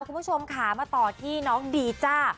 คุณผู้ชมค่ะมาต่อที่น้องดีจ้า